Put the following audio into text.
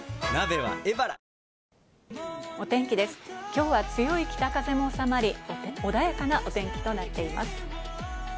今日は強い北風もおさまり、穏やかなお天気となっています。